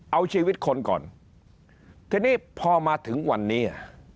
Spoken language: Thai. เอาชีวิตคนก่อนทีนี้พอมาถึงวันนี้